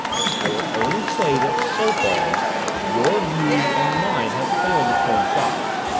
"I will only say that so far your views and mine have failed to coincide.